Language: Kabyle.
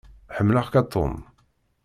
Ḥemmleɣ-k a Tom.